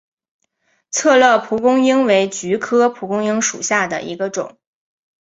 策勒蒲公英为菊科蒲公英属下的一个种。